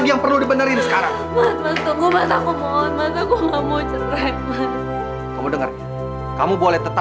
ini seratus juta lagi